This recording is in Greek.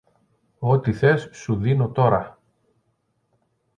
Ό,τι θες σου δίνω τώρα!